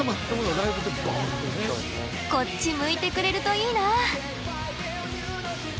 こっち向いてくれるといいな。